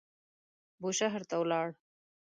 بوشهر ته ولاړ.